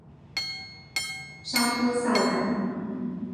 沙托萨兰。